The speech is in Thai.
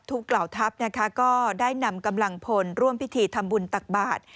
ทุกเหล่าทัฟก็ได้นำกำลังพลร่วมพิธีธรรมบุญตักบาตร